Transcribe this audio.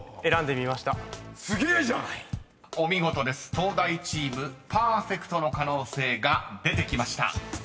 ［東大チームパーフェクトの可能性が出てきました］